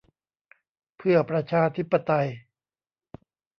เพื่อประชาธิปไตย